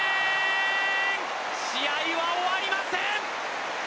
試合は終わりません！